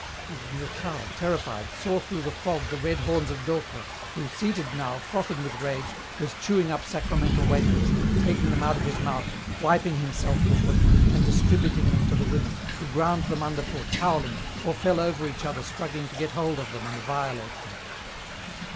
And Durtal, terrified, saw through the fog the red horns of Docre, who, seated now, frothing with rage, was chewing up sacramental wafers, taking them out of his mouth, wiping himself with them, and distributing them to the women, who ground them underfoot, howling, or fell over each other struggling to get hold of them and violate them.